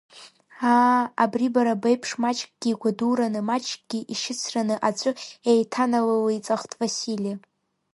Аа, абри бара беиԥш, маҷкгьы игәадураны, маҷкгьы ишьыцраны аҵәы еиҭаналылеиҵахт Васили.